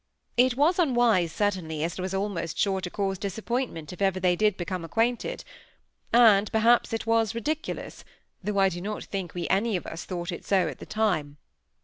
It was unwise, certainly, as it was almost sure to cause disappointment if ever they did become acquainted; and perhaps it was ridiculous, though I do not think we any of us thought it so at the time.